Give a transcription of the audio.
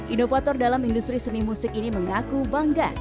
inovator dalam industri seni musik ini mengaku bangga